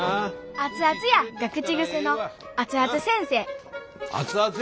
「熱々や」が口癖の熱々先生熱々やで。